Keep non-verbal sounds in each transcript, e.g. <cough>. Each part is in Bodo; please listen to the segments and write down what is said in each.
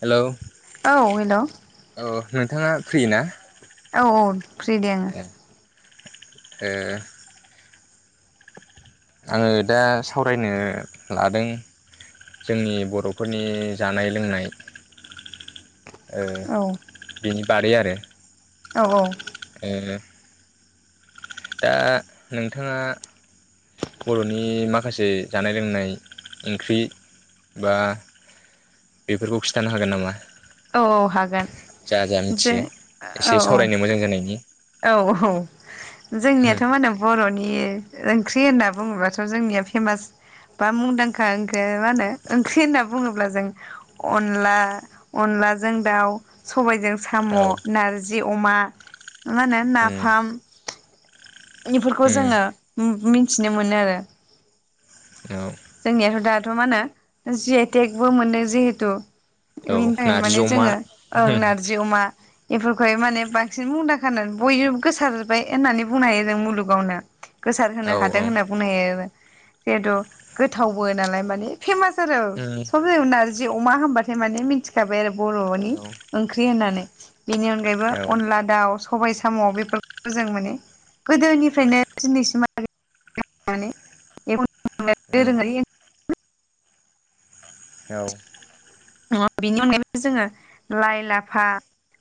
हेलौ औ हेल' औ औ नोंथाङा फ्रि ना? औ औ फ्रि दे आङो ए आङो दा सावरायनो लादों जोंनि बर'फोरनि जानाय लोंनाय ओ औ बेनि बारै आरो औ औ ए दा नोंथाङा बर'नि माखासे जानाय लोंनाय ओंख्रि बा बेफोरखौ खिथानो हागोन नामा? औ औ हागोन जा जा जे मिथियो एसे औ औ सावरायनो मोजां जानायनि औ औ जोंनियाथ' मा होनो बर'नि <unintelligible> ओंख्रि होनना बुङोब्लाथ' जोंनिया पेमास बा मुंदांखा ओंखो बा मा होनो ओंख्रि होनना बुङोब्ला जों अनला अनला जों दाउ सबायजों साम' औ नारजि अमा मानो उम नाफाम। इफोरखौ उम जोङो मिथि मिथिनो मोनो आरो औ जोंनिया दाथ' मा होनो जि एइटेकबो मोनदों जिहेथु औ बिनि थाखायनो नारजि माने अमा जोङो ओं नारजि अमा बेफोरखौहाय माने बांसिन मुंदांखानानै बयबो गोसार जोब्बाय होननानै बुंनो हायो जों मुलुगावनो गोसार औ होनो हादों औ होनना बुंनो हायो बेद' गोथावबो नालाय माने फेमास सोरो उम सब जायगायावनो नारजि जि अमा हबाथाय माने मिथिखाबाय आरो बर'नि औ ओंख्रि होननानै बेनि अनगायैबो औ अनला दाउ सबायाइ साम'आव बेफोरखौ जों माने गोदोनिफ्रायनो दिनैसिम उम दोरोंआरि औ अ बिनि अनगायैबो जोङो लाइ लाफा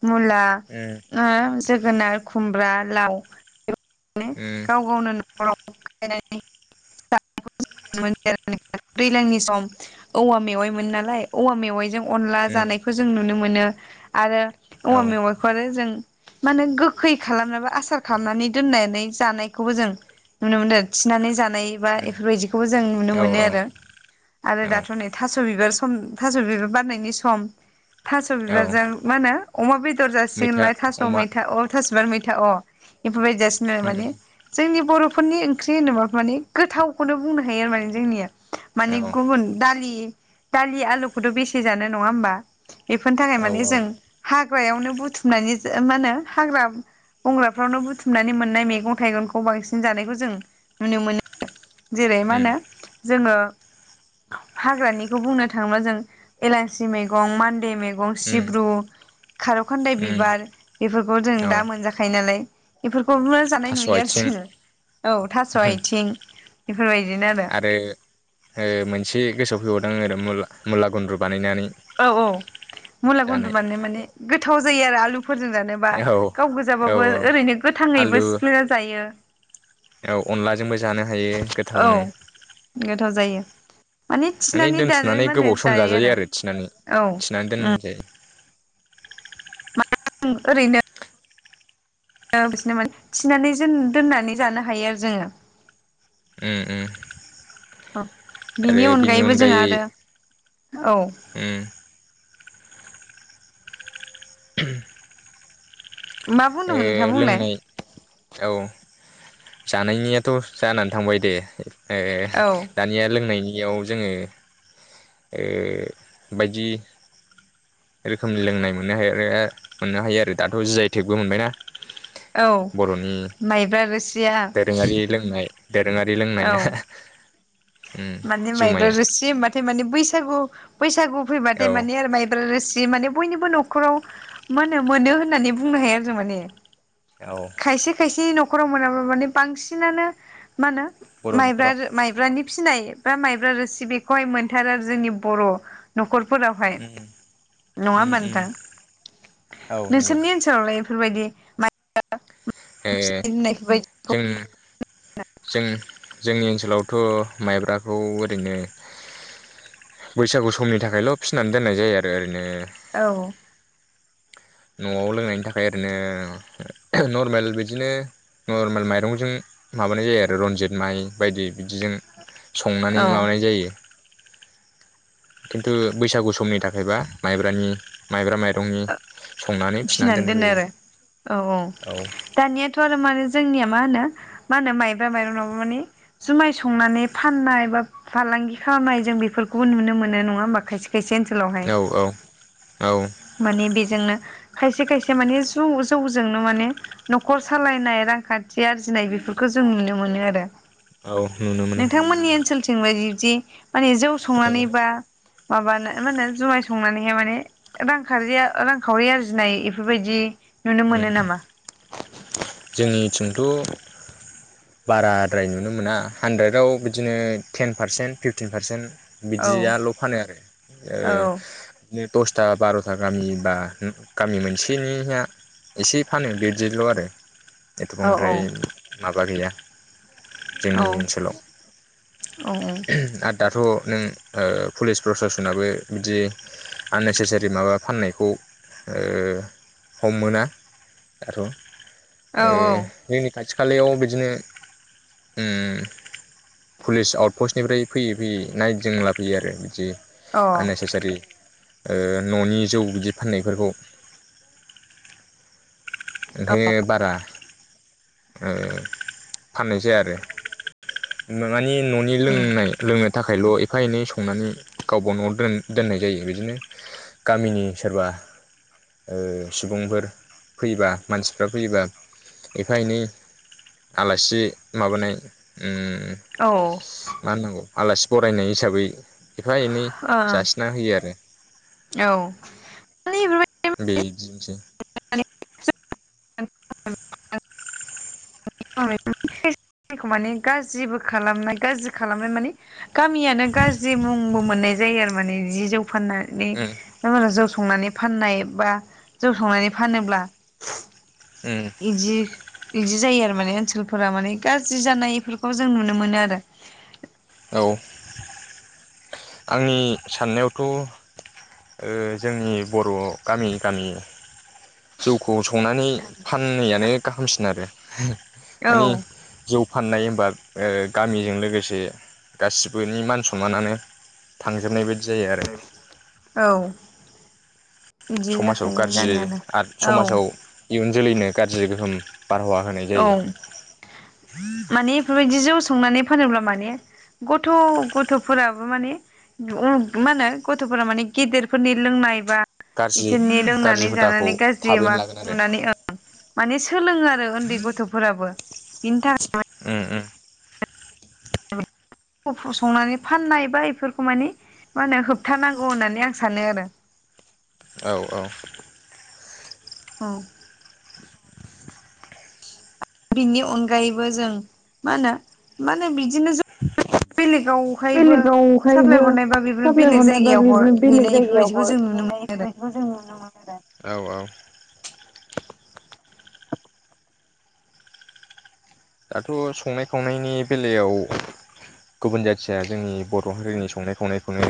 मुला उम ओ जोगोनार खुम ब्रा लाव माने उम गाव गावनो <unintelligible> दैज्लांनि सम औवा मेवाइमोनो नालाय औवा मेवाइजों अनला उम जानायखौ जों नुनो मोनो आरो औ औवा मेवाइखौ आरो जों मानो गोखै खालामनाबो आसार खालामनानै दोननानै जानायखौबो जों नुनो मोनो थिनानै जा नानै बा उम इफोरबायदिखौबो नुनो औ मोनो आरो औ दाथ' नै थास' बिबार सं म थास' बिबार बारनायनि सम थास' औ बिबारजों मा होनो अमा बे दर मैथा जासिगोनलाय थास' अमा मैथा अ थास'बार मै था अ। बेबायदि जासिनो उम माने जोंनि बर'फोरनि ओंख्रि होनोबा माने गोथावखौनो बुंनो हायो आरो माने जोंनिया औ माने गुबुन दालि दालि आलुखौथ' बेसे जानो नङा होमबा? बेफोरनि थाखाय औ माने जों हाग हाग्रायावनो बुथुमनानै मा होनो हाग्रा बंग्राफ्रावनो बुथ बुथुमनानै मोननाय मैगं थाइगंखौ बांसिन जानायखौ जों नुनो मोनो। जेरै मा उम होनो जोङो हाग्रानिखौ बुंनो थाङोब्ला जों एलासि मैगं मान्दे मैग मैगं उम सिब्रु खारौ खान्दाय उम बिबार बेफोरखौ जों औ दा मोनजाखायो नालाय। बेफोर <unintelligible> जानाय थास' नुयो आरो आथिं जोङो औ थास' उहुम आइथिं आरो ओ मोनसे गोसोआव फैबाव दों मुला मुलागुन्द्रु बानायनानै औ औ मुला गुनद्रु जानाय बानायनाय माने गोथाव जायो आरो आलु फोरजों जानोबा औ गाव औ गोजाबाबो ओरैनो आलु गोथाङैबो सिफ्लेना जायो। औ अनलाजोंबो जानो हायो औ गोथावनो गोथाव जायो माने थिनानै दानो दोनथुमनानै मा होनो गोबाव सम जायो जाजायो आरो थिनानै औ थिनानै दोनजायो। जों ओरैनो बिसोनो माने थिनानै जोन दोननानै जानो हायो आरो जोङो उम उम ओ। आरो बिनि अनगायैबो जोंहा अनगायै आरो औ। उम <inaudible> मा ए बुंदोंमोन नोंथाङा बुंलाय लोंनाय औ। जानायनियाथ जानानै थांबाय दे। ए औ दानिया लोंनायनि। बेयाव जोङो ओ बायदि रोखोमनि लोंनाय मोननो हायो मोननो हायो आरो दाथ जियावथेग बो मोनबायना। औ माइब्रा रोसिया। दोरोङारि लोंनाय औ उम माने माइब्रा जुमाया रोसि होनोमबाथाय माने बैसागु-बैसागु फैबाथाय औ माने माइब्रा रोसि माने बयनिबो नखराव मा होनो मोनो होननानै बुंनो हायो आरो जों माने औ खायसे खायसे नख नखराव मोनाबा माने बांसिनानो। मा होनो बर' माइब्रा न'खराव माइब्रानि फिसिनाय बा माइब्रा रोसि बेखौहाय मोनथार आरो जोंनि बर' नखर फोरावहाय। उम नङा उम होमबा उम नोंथां औ नंगौ नोंसोरनि ओनसोलावलाय? बेफोरबायदि माइ ओ जों <unintelligible> जों जोंनि ओनसोलावथ' माइब्राखौ ओरैनो बैसागु समनि थाखायल' फिसिनानै दोननाय जायो आरो ओरैनो औ। नआव लोंनायनि थाखाय ओरैनो नर्मेल बिदिनो नर्मेल माइरंजों माबानाय जायो आरो रन्जित माइ बायदि बिदिजों संनानै माबानाय जायो। खिन्थु बैसागु समनि थाखायबा माइब्रानि माइब्रा माइरंनि संनानै फिनानै दोनो दोननाय आरो औ औ जायो दानियाथ' आरो माने जोंनिया मा होनो मा होनो माइब्रा माइरंनि माने जुमाय संनानै फाननाय बा फालांगि खालामनाय जों बेफोरखौबो नुनो मोनो नङा होमबा खायसे खायसे ओनसोलावहाय औ औ औ। माने बेजोंनो खायसे खायसे माने जौ जौजोंनो माने नखर सालायनाय रांखान्थि आरजिनाय बेफोरखौ जों नुनो मोनो आरो। औ नुनो मोनो नोंथांमोननि ओनसोलथिं बायदि जे <inaudible> माने जौ संनानै बा माबानो मा होनो जुमाय संनानैहाय माने रांखावरिया रांखावरि आरजिनाय बेफोरबायदि नुनो मोनो नामा? थिंथ' बाराद्राय नुनो मोना हानद्रेदाव बिदिनो टेन पारसेन्ट, फिफटिन पारसेन्ट औ बिदियाल' फानो आरो ओ औ बिदिनो दसथा बार'था गामि बा गामि मोनसेनिया एसे फानो बेबादिल' आरो एथ' औ बांद्राय माबा गैया औ जोंनि ओनसोलाव औ आरो दाथ' नों ओ पुलिस प्रसासनाबो बिदि आननेसेसारि माबा फाननायखौ हमोना आरो ओ जोंनि खाथि खालायाव बिदिनो ओम पुलिस आउटपस्टनिफ्राय फैयै फैयै नायदिंला फैयो आरो बिदि आननेसेसारि ओ न'नि जौ बिदि फाननायफोरखौ ओंखायनो बारा ओ फाननाय जाया आरो <unintelligible> न'नि लोंनाय थाखायल' एफा एनै संनानै गावबा न'आव दोननाय जायो बिदिनो, गामिनि सोरबा सुबुंफोर फैबा। मानसिफ्रा फैयोबा एफा एनै आलासि माबानाय म ओम औ औ मा होननो नंगौ? आलासि बरायनाय हिसाबै। एफा एनै औ जासिना होयो आरो। औ माने बे <unintelligible> माने गाज्रिबो खालामनाय गाज्रि खालामनाय माने। गामियानो गाज्रि मुंबो मोननाय जायो आरो माने जौ फाननानै उम जौ संनानै फाननाय बा जौ संनानै फानोब्ला। उम इ जि बिदि जायो आरो माने ओनसोलफोरा माने गाज्रि जानायफोरखौ जों नुनो मोनो आरो। औ। आंनि साननायावथ' ओ जोंनि बर' गामि‌ गामि जौखौ। संनानै फाननायानो गाहामसिन आरो। औ माने जौ फाननाय होनबा ओ गामिजों लोगोसे गासिबोनि मान सनमानानो थांजोबनाय बायदि जायो आरो औ। बिदि समाजाव जाखायो गाज्रि जानायानो आरो औ समाजाव इयुन जोलैनो गाज्रि गोहोम बारहावा होनाय औ। जायो माने बेफोरबायदि जौ संनानै फानोब्ला माने, गथ' गथ'फोराबो माने मा होनो गथ'फोरा माने गेदेरफोरनि लोंनाय बा गाज्रि बिसोरनि गाज्रि लोंनानै हुदाखौ जानानै गाज्रि थाबैनो लागोन माखौ आरो नुनानैं माने सोलोङो आरो उन्दै गथ'फोराबो बिनि थाखाय उम उम। संनानै फाननाय बा बेफोरखौ मानि मा होनो होबथानांगौ होननानै आं सानो आरो। औ औ। औ। बिनि अनगायैबो जों मा होनो? मे बि साप्लाय बेलेगावहायबो हरनाय बा बेफोर साप्लाय बेलेग हरनायबा जायगायाव हर बिनो बेलेग हैनाय जायगायाव बेफोरबायदिखौ जों नुनो मोनो हरनायखौ जों नुनो <unintelligible> मोन आरो। औ औ । दाथ' संनाय खावनायनि बेलायाव गुबुन जाथिया जोंनि बर' हारिनि संनाय खावनायखौनो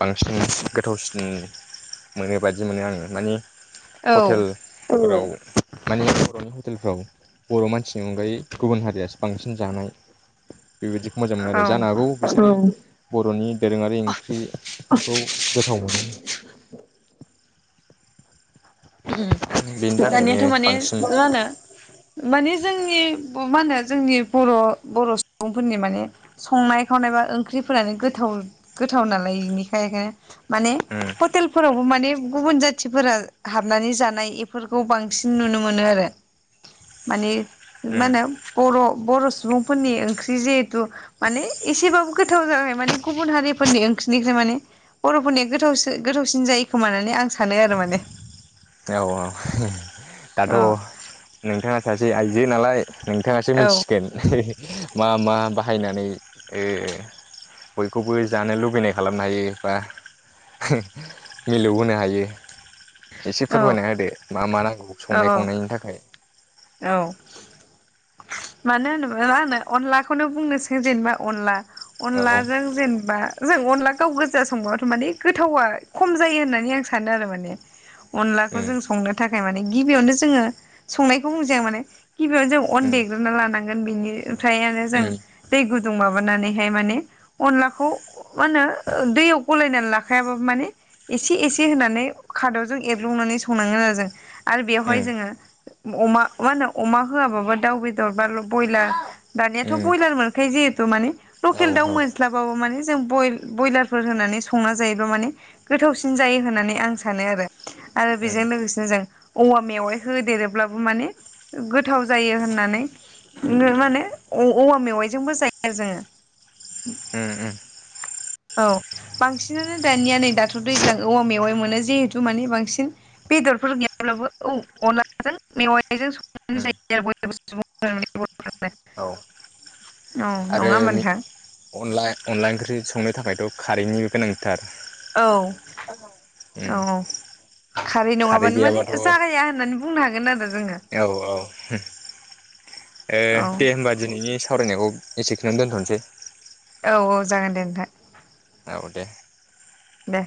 बांसिन गोथावसिन मोनो बादि मोनो आङो माने आरो हटेलफोराव माने बर'नि हटेलफ्राव बर' मानसिनि अनगायै गुबुन हारियासो बांसिन जानाय बेबायदिखौ मोजां मोनो आरो औ जानो हागौ बर'नि दोरोङारि ओंख्रिखौ <unintelligible> उम बेनि थाखायनो दानियाथ' माने बांसिन रानो मानि जोंनि मा होनो जोंनि बर' बर' सुबुंफोरनि माने संनाय खावनाय बा ओंख्रिफोरानो गोथाव गोथाव नालाय बेनिखाय बेखायनो माने उम हटेलफोरावबो माने गुबुन जाथिफोरा हाबनानै जानाय एफोरखौ बांसिन नुनो मोनो आरो माने उम माहोनो बर' बर' सुबुंफोरनि ओंख्रि जिहेथु माने एसेबाबो गोथाव जाबाय माने गुबुन हारिफोरनि ओंख्रिनिफ्राय माने बर'फोरनिया गोथावो गोथावसिन जायो खोमाहोनानै आं सानो आरो माने । औ औ । दाथ' औ नोंथाङा सा जे आइजो नालाय नोंथाङासो औ मिथिसिगोन । मा मा बाहायनानै ओ बयखौबो जानो लुबैनाय खालामनो हायो बा मिलौहोनो हायो । एसे औ फोरमायना होदो । मा मा नां संनाय औ खावनायनि थाखाय । औ मानो होनोब्ला मा होनो अनलाखौनो बुंनोसै जेनेबा अनला । औ अनलाजों जेनेबा जों अनला गाव गोजा संबाबाथ' माने गोथावा खम जायो होननानै आं सानो आरो माने अनलाखौ उम जों संनो थाखाय । गिबियावनो जोङो संनाय बुंजाया माने गिबियाव जों अन उम देग्रोनना लानांगोन । गोन बिनि ओमफ्रायानो जों उम दै गुदुंवाव माबानानैहाय माने अनलाखौ मा होनो ओ दैयाव गलायनानै लाखायाबाबो माने एसे एसे होनानै खादरजों एरब्लुंनानै संनाङो आरो जों । आरो बेवहाय उम जोङो अमा मा होनो अमा होआबाबो दाउ बेदर बा बयलार। दानियाथ' बयलार मोनखायो जिहेथु माने औ औ लकेल दाउ उम मोनस्लाबाबो मानेजंजं जों ब बयलारफोर होनानै संना जायोब्लाा माने गोथावसिन जायो होननानै आं सानो आरो आरो बेजों लोगोसेनो जों औवा‌ मेवाय होदेरो अब्लाबो माने गोथाव जायो होननानै माने औवा मेवाइजोंबो जायो आरो जोङो। ओम ओम। औ बांसिनानो दानिया नै दाथ' दैज्लां औवा मेवाय मोनो जिहेथु माने बांसिन बेदरफोर गैयाब्लाबो औ अनला जों मेवाय जों संनानै उम जायो आरो <unintelligible> औ औ आरो नङा होनबा नोंथां? अनला अनला ओंख्रि संनो थाखायथ' खारैनिबो गोनांथार । औ औ खारै नङाबानो माने गैयाबाथ' औ जागाया होननानै बुंनो हागोन आरो जोङो। ए औ दे होमबा दिनैनि सावरायनायखौ एसेखनो दोन्थ'नोसै। औ औ जागोन दे नोंथां। औ दे। दे।